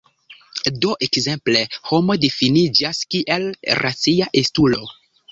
Do ekzemple "homo" difiniĝas kiel "racia estulo".